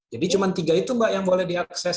jadi cuma tiga itu mbak yang boleh diakses